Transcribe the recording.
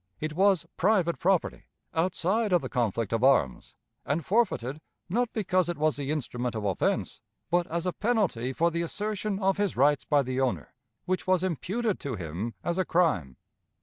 It was private property, outside of the conflict of arms, and forfeited, not because it was the instrument of offense, but as a penalty for the assertion of his rights by the owner, which was imputed to him as a crime.